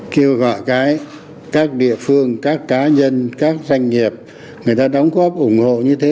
kêu gọi cái các địa phương các cá nhân các doanh nghiệp người ta đóng góp ủng hộ như thế